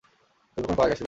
দৈবক্রমে পাওয়া এক আশীর্বাদ!